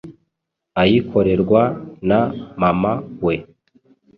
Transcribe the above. ayikorerwa na mama we